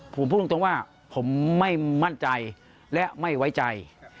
ผมพูดตรงว่าผมไม่มั่นใจและไม่ไว้ใจ